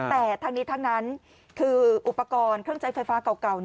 แต่ทั้งนี้ทั้งนั้นคืออุปกรณ์เครื่องใช้ไฟฟ้าเก่า